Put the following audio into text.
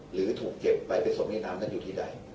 หรือถูกเก็บไปไปส่งในน้ำนั้นอยู่ที่ใด